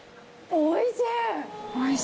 おいしい。